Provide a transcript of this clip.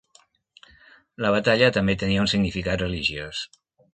La batalla també tenia un significat religiós.